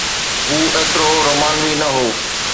هو ايترو رومانوي نه هو.